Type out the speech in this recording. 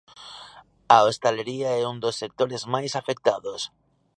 A hostalería é un dos sectores máis afectados.